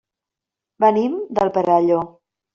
Venim del Perelló.